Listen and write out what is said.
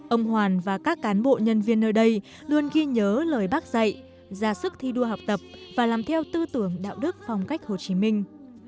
ông hoàn và các cán bộ nhân viên nơi đây luôn ghi nhớ lời bác dạy ra sức thi đua học tập và làm theo tư tưởng đạo đức phong cách hồ chí minh